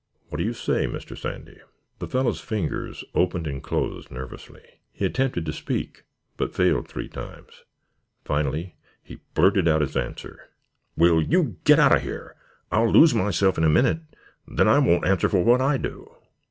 What do you say, Mr. Sandy?" The fellow's fingers opened and closed nervously. He attempted to speak but failed three times. Finally he blurted out his answer: "Will you git out of here? I'll lose myself in a minit; then I won't answer for what I do."